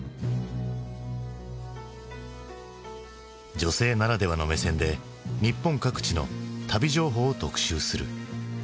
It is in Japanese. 女性ならではの目線で日本各地の旅情報を特集する。